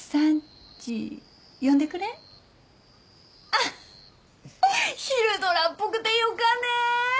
あっ昼ドラっぽくてよかね！